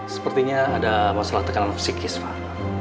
sepertinya ada masalah tekanan psikis pak